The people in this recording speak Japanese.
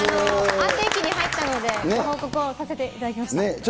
安定期に入ったので、ご報告をさせていただきました。